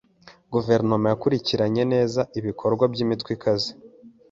Guverinoma yakurikiranye neza ibikorwa by'imitwe ikaze.